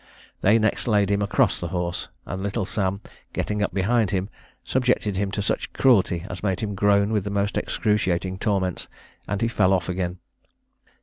They next laid him across the horse, and little Sam, getting up behind him, subjected him to such cruelty as made him groan with the most excruciating torments, and he fell off again.